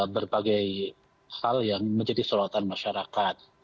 berbagai hal yang menjadi selotan masyarakat